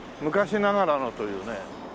昔ながらのというね。